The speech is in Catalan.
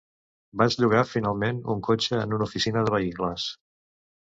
Vaig llogar finalment un cotxe en una oficina de vehicles.